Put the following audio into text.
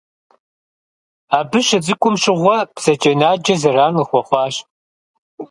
Абы щыцӏыкӏум щыгъуэ бзаджэнаджэ зэран къыхуэхъуащ.